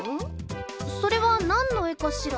それはなんの絵かしら？